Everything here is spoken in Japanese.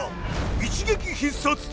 一撃必殺隊